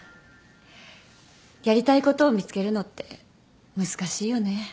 やりたいことを見つけるのって難しいよね。